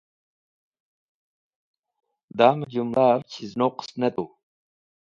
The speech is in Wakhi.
Damẽ jumlav chiz nuqs ne tu.